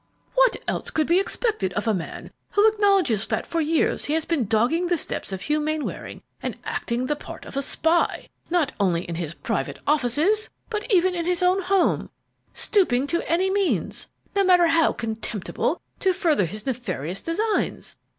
"What else could be expected of a man who acknowledges that for years he has been dogging the steps of Hugh Mainwaring and acting the part of a spy, not only in his private offices, but even in his own home, stooping to any means, no matter how contemptible, to further his nefarious designs?